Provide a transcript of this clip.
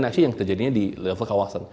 reaksi yang terjadinya di level kawasan